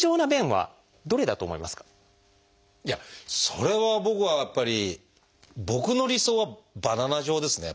それは僕はやっぱり僕の理想は「バナナ状」ですね